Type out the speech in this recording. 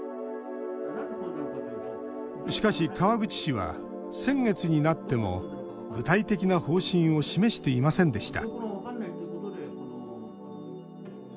しかし、川口市は先月になっても具体的な方針を示していませんでした